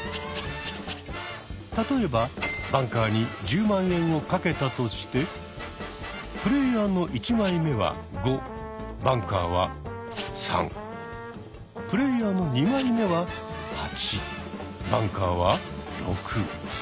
例えばバンカーに１０万円を賭けたとしてプレーヤーの１枚目は「５」バンカーは「３」プレーヤーの２枚目は「８」バンカーは「６」。